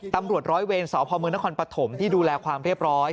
ตำรวจร้อยเวรสพมนครปฐมที่ดูแลความเรียบร้อย